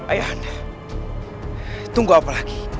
ayah anda tunggu apa lagi